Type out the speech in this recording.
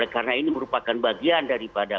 karena ini merupakan bagian daripada